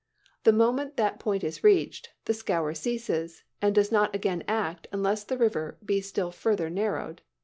The moment that point is reached, the "scour" ceases, and does not again act unless the river be still further narrowed.